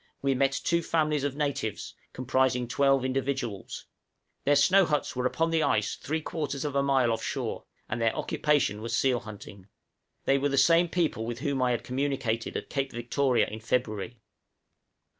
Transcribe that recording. we met two families of natives, comprising twelve individuals; their snow huts were upon the ice three quarters of a mile off shore, and their occupation was seal hunting. They were the same people with whom I had communicated at Cape Victoria in February.